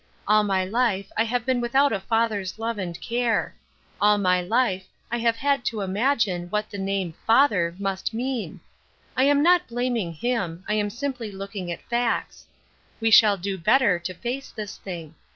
All my life I have been without a father's love and care. All my life 1 have had to imagine what the name ' father ' 7jiust mean. I am not blaming him ; I am simply looking at facts. We shall do better to face this thing.